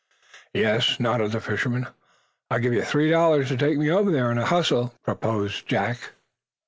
"Yep," nodded the fisherman. "I'll give you three dollars to take me over there in a hustle," proposed Jack.